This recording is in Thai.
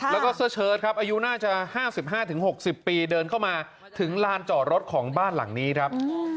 แล้วก็เสื้อเชิดครับอายุน่าจะ๕๕๖๐ปีเดินเข้ามาถึงลานจอดรถของบ้านหลังนี้ครับ